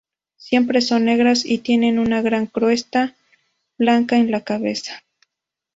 Siempre son negras y tienen una gran cresta blanca en la cabeza".